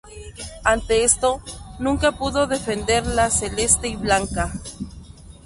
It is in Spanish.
Ante esto, nunca pudo defender la celeste y blanca.